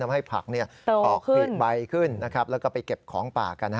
ทำให้ผักเผาขึ้นใบขึ้นแล้วก็ไปเก็บของป่ากัน